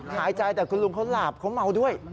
หายใจแต่คุณลุงเขาหลาบเขาเมาด้วย